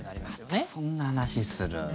またそんな話する。